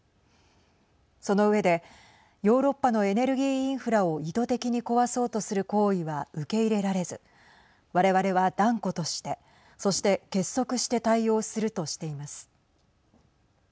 その上でヨーロッパのエネルギーインフラを意図的に壊そうとする行為は受け入れられず我々は断固としてそして結束して対応するとしています。